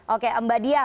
oke mbak diyah